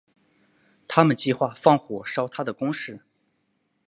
他们计划放火烧他的宫室。